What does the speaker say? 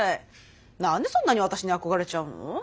何でそんなに私に憧れちゃうの？